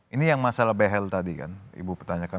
ini yang masalah behel tadi kan ibu pertanyakan